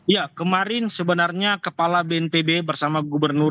ya kemarin sebenarnya kepala bnpb bersama gubernur